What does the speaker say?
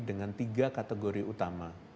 dengan tiga kategori utama